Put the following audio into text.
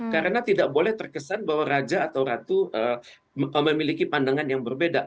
karena tidak boleh terkesan bahwa raja atau ratu memiliki pandangan yang berbeda